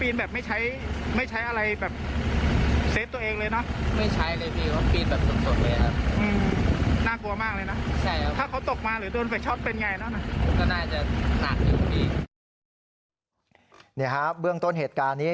เนี่ยครับเบื้องต้นเหตุการณ์นี้